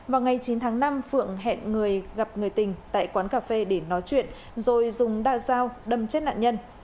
vào ngày chín tháng năm phượng hẹn người gặp người tình tại quán cà phê để nói chuyện rồi dùng đa dao đâm chết nạn nhân